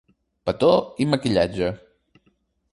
Petó i maquillatge.